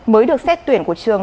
mới được xét tuyển của trường